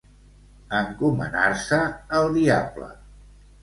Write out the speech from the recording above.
Encomanar-se al diable.